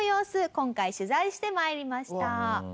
今回取材して参りました。